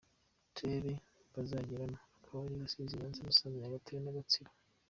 Uturere bazageramo akaba ari : Rusizi, Nyanza, Musanze, Nyagatare na Gatsibo.